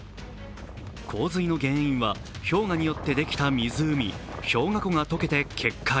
洪水の原因は、氷河によってできた湖、氷河湖が解けて決壊。